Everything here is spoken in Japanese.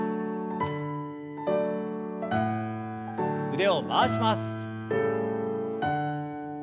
腕を回します。